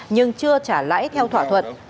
nhưng chưa trả lãi theo thỏa thuận